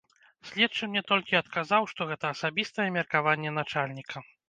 Следчы мне толькі адказаў, што гэта асабістае меркаванне начальніка.